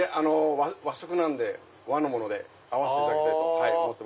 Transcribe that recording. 和食なんで和のもので合わせていただきたいと思って。